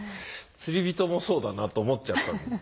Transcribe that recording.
釣り人もそうだなと思っちゃったんです。